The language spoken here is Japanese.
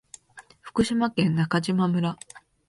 福島県中島村